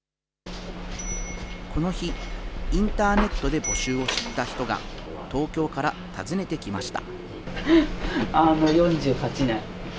この日、インターネットで募集を知った人が、東京から訪ねてきました。